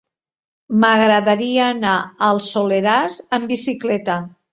M'agradaria anar al Soleràs amb bicicleta.